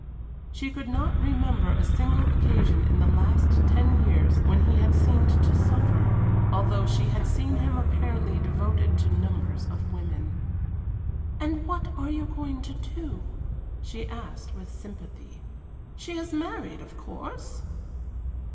She could not remember a single occasion in the last ten years when he had seemed to suffer, although she had seen him apparently devoted to numbers of women. "And what are you going to do?" she asked, with sympathy, "She is married, of course?"